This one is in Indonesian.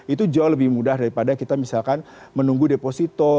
itu jauh lebih mudah daripada kita misalkan menunggu deposito